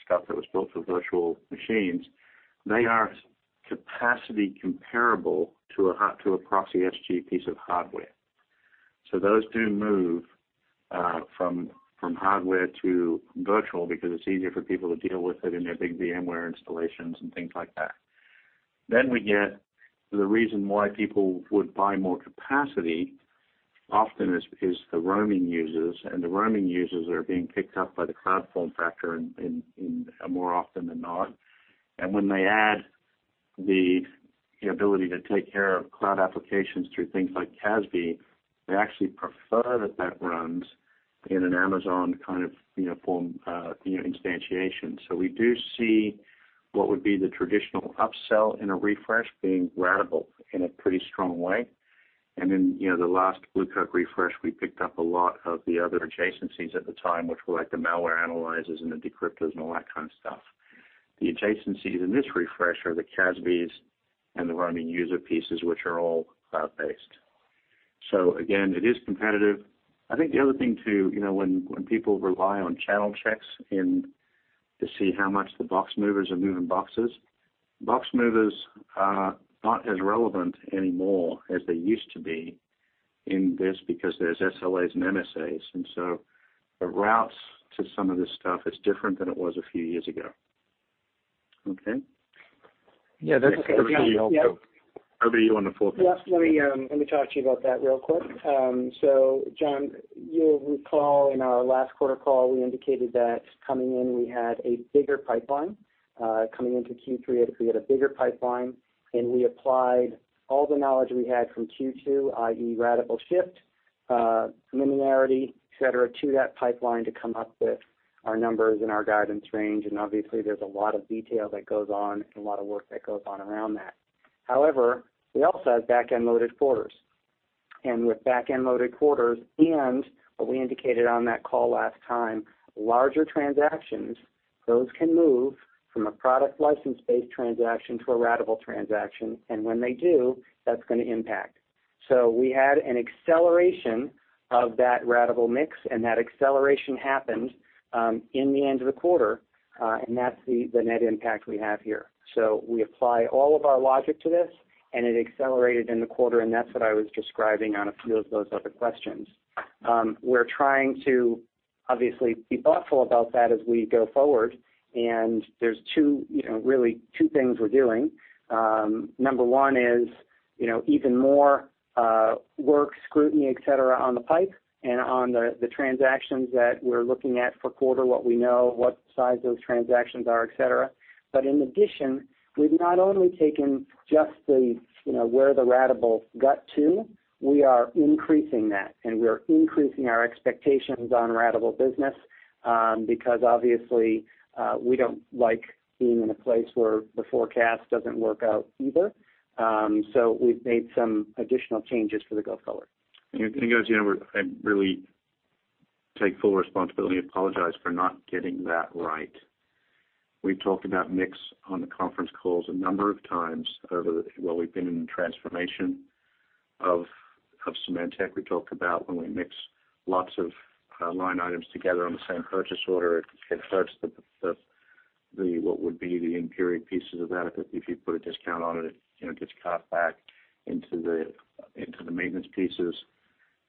stuff that was built for virtual machines, they are capacity comparable to a ProxySG piece of hardware. Those do move from hardware to virtual because it's easier for people to deal with it in their big VMware installations and things like that. We get to the reason why people would buy more capacity often is the roaming users, and the roaming users are being picked up by the cloud form factor more often than not. When they add the ability to take care of cloud applications through things like CASB, they actually prefer that that runs in an Amazon kind of form instantiation. We do see what would be the traditional upsell in a refresh being ratable in a pretty strong way. In the last Blue Coat refresh, we picked up a lot of the other adjacencies at the time, which were like the malware analyzers and the decryptors and all that kind of stuff. The adjacencies in this refresh are the CASBs and the roaming user pieces, which are all cloud-based. Again, it is competitive. I think the other thing, too, when people rely on channel checks to see how much the box movers are moving boxes, box movers are not as relevant anymore as they used to be in this because there's SLAs and MSAs, the routes to some of this stuff is different than it was a few years ago. Okay? Yeah, that's. Over to you on the fourth one. Yes, let me talk to you about that real quick. John, you'll recall in our last quarter call, we indicated that coming in, we had a bigger pipeline. Coming into Q3, we had a bigger pipeline, and we applied all the knowledge we had from Q2, i.e., ratable shift, linearity, et cetera, to that pipeline to come up with our numbers and our guidance range, and obviously, there's a lot of detail that goes on and a lot of work that goes on around that. However, we also have back-end loaded quarters. With back-end loaded quarters and what we indicated on that call last time, larger transactions, those can move from a product license-based transaction to a ratable transaction. When they do, that's going to impact. We had an acceleration of that ratable mix, and that acceleration happened in the end of the quarter, and that's the net impact we have here. We apply all of our logic to this, and it accelerated in the quarter, and that's what I was describing on a few of those other questions. We're trying to obviously be thoughtful about that as we go forward, and there's really two things we're doing. Number one is, even more work, scrutiny, et cetera, on the pipe and on the transactions that we're looking at for quarter, what we know, what size those transactions are, et cetera. In addition, we've not only taken just the, where the ratable got to, we are increasing that, and we are increasing our expectations on ratable business, because obviously, we don't like being in a place where the forecast doesn't work out either. We've made some additional changes for the go forward. Guys, I really take full responsibility and apologize for not getting that right. We've talked about mix on the conference calls a number of times over, well, we've been in the transformation of Symantec. We talked about when we mix lots of line items together on the same purchase order, it hurts what would be the in-period pieces of that. If you put a discount on it gets caught back into the maintenance pieces.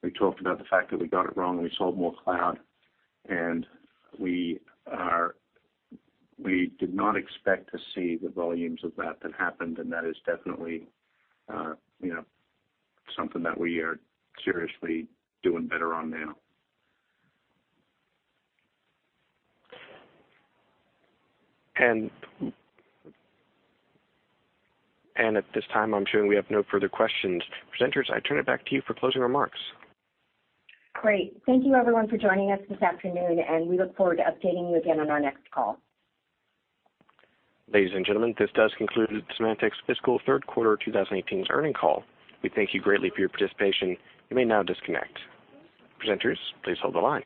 We talked about the fact that we got it wrong. We sold more cloud, and we did not expect to see the volumes of that that happened, and that is definitely something that we are seriously doing better on now. At this time, I'm showing we have no further questions. Presenters, I turn it back to you for closing remarks. Great. Thank you everyone for joining us this afternoon. We look forward to updating you again on our next call. Ladies and gentlemen, this does conclude Symantec's Fiscal Third Quarter 2018's earnings call. We thank you greatly for your participation. You may now disconnect. Presenters, please hold the line.